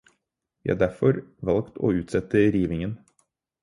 Vi har derfor valgt å utsette rivingen.